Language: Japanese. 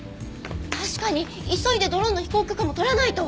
確かに急いでドローンの飛行許可も取らないと！